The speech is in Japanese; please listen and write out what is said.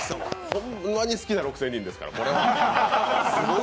ホンマに好きな６０００人ですから、これは。